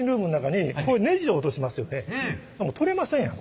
取れませんやん